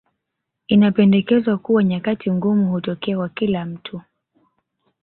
Inapendekezwa kuwa nyakati ngumu hutokea kwa kila mtu